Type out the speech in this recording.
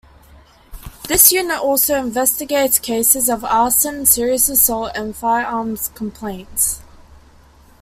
This unit also investigates cases of arson, serious assault, and firearms complaints.